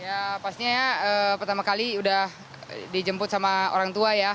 ya pastinya ya pertama kali udah dijemput sama orang tua ya